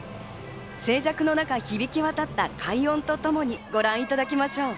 静寂の中、響き渡った快音とともにご覧いただきましょう。